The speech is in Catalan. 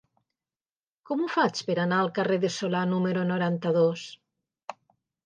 Com ho faig per anar al carrer de Solà número noranta-dos?